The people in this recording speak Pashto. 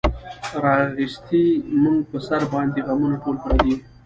راغیستې مونږ پۀ سر باندې غمونه ټول پردي دي